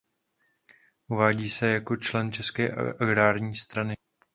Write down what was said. Uvádí se jako člen České agrární strany.